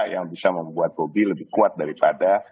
yang bisa membuat bobi lebih kuat daripada